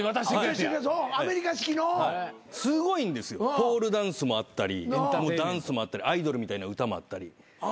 ポールダンスもあったりダンスもあったりアイドルみたいな歌もあったり。